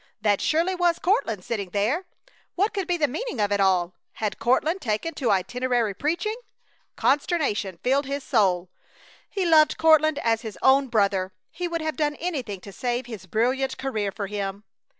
That surely was Courtland sitting there. What could be the meaning of it all? Had Courtland taken to itinerary preaching? Consternation filled his soul. He loved Courtland as his own brother. He would have done anything to save his brilliant career for him.